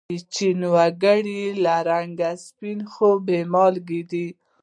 د چین و گړي له رنگه سپین خو بې مالگې دي.